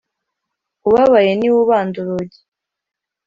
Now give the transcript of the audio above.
Ubabaye niwe ubanda urugi.